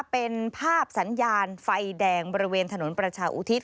เป็นภาพสัญญาณไฟแดงบริเวณถนนประชาอุทิศ